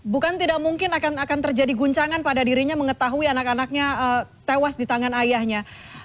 bukan tidak mungkin akan terjadi guncangan pada dirinya mengetahui anak anaknya tewas di tangan ayahnya